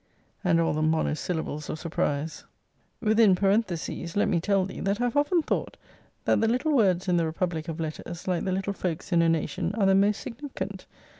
and all the monosyllables of surprize. [Within parentheses let me tell thee, that I have often thought, that the little words in the republic of letters, like the little folks in a nation, are the most significant.